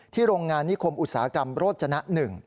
โรงงานนิคมอุตสาหกรรมโรจนะ๑